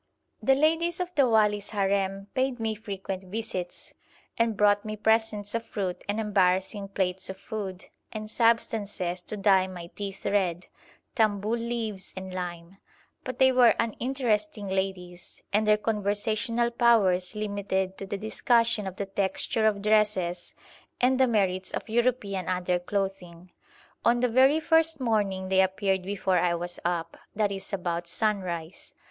The ladies of the wali's harem paid me frequent visits, and brought me presents of fruit and embarrassing plates of food, and substances to dye my teeth red (tamboul leaves and lime), but they were uninteresting ladies, and their conversational powers limited to the discussion of the texture of dresses and the merits of European underclothing. On the very first morning they appeared before I was up that is about sunrise.